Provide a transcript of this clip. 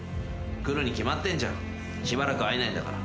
来るに決まってんじゃん。しばらく会えないんだから。